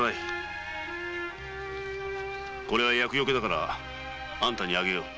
これは「厄よけ」だからあんたにあげよう。